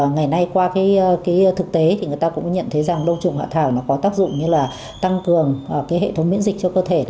ngày nay qua thực tế người ta cũng nhận thấy rằng đồng trùng hạ thảo có tác dụng như tăng cường hệ thống miễn dịch cho cơ thể